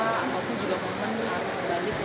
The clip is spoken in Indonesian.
ataupun juga momen arus balik